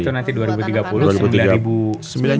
target itu nanti dua ribu tiga puluh sembilan juta